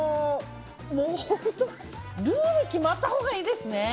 ルール決まったほうがいいですね。